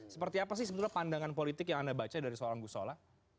seperti apa sih sebetulnya pandangan politik yang anda baca dari seorang gusola